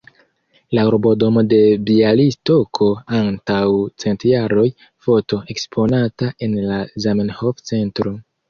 La urbodomo de Bjalistoko antaŭ cent jaroj, foto eksponata en la Zamenhof-centro.